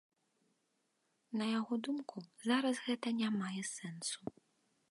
На яго думку, зараз гэта не мае сэнсу.